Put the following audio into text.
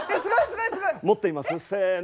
持ってみます？せの。